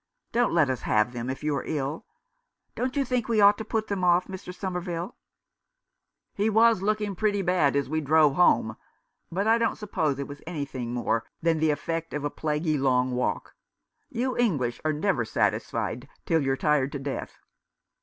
Don't let us have them if you are ill. Don't you think we ought to put them off, Mr. Somerville ?"" He was looking pretty bad as we drove home ; but I don't suppose it was anything more than the 336 The American Remembers. effect of a plaguey long walk. You English are never satisfied till you're tired to death."